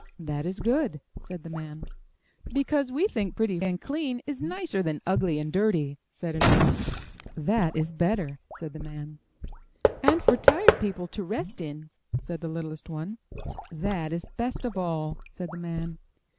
'That is good!" said the man. "Because we think pretty and clean is nicer than ugly and dirty!" said another. "That is better!" said the man. 75 MY BOOK HOUSE And for tired people to rest in!*' said the littlest one. 'That is best of all!'* said the man.